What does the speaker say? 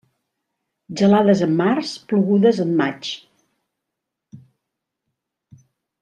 Gelades en març, plogudes en maig.